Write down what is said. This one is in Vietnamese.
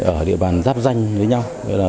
ở địa bàn giáp danh với nhau